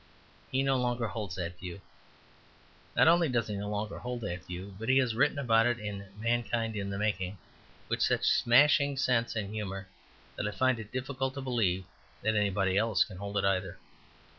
He no longer holds that view. Not only does he no longer hold that view, but he has written about it in "Mankind in the Making" with such smashing sense and humour, that I find it difficult to believe that anybody else can hold it either.